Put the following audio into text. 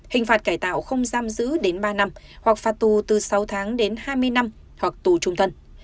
hình phạt cải tạo không giam giữ đến ba năm hoặc phạt tù từ sáu tháng đến hai mươi năm hoặc tù trung thân